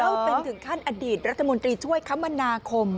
เข้าเป็นถึงขั้นอดีตรัฐมนตรีช่วยคมนาคม